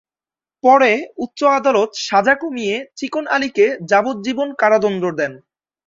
পরে উচ্চ আদালত সাজা কমিয়ে চিকন আলীকে যাবজ্জীবন কারাদন্ড দেন।